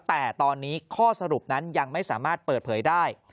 แต่ตอนนี้ข้อสรุปนั้นยังไม่สามารถเปิดเผยได้